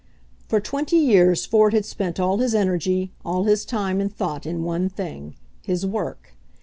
For twenty years Ford had spent all his energy, all his time and thought in one thing — his work.